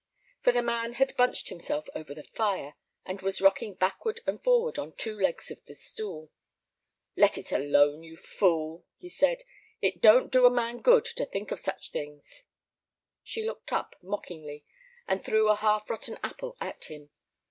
For the man had bunched himself over the fire, and was rocking backward and forward on two legs of the stool. "Let it alone, you fool," he said; "it don't do a man good to think of such things." She looked up mockingly, and threw a half rotten apple at him.